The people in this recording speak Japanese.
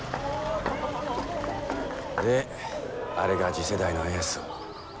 であれが次世代のエース。